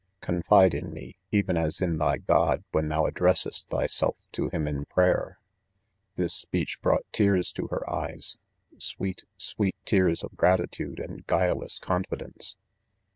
Confide in me, even as in thy God when thou addressest thyself to him in prayer! ,• This speech "brought tears to her eyes,— Sweet, sweet tears of gratitude and guileless confidence